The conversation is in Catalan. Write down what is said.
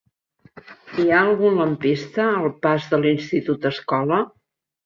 Hi ha algun lampista al pas de l'Institut Escola?